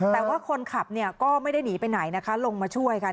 แต่ว่าคนขับเนี่ยก็ไม่ได้หนีไปไหนนะคะลงมาช่วยค่ะ